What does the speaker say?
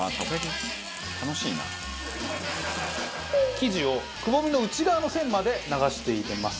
生地をくぼみの内側の線まで流していきます。